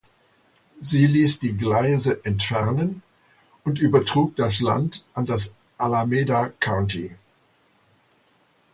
Sie ließ die Gleise entfernen und übertrug das Land an das Alameda County.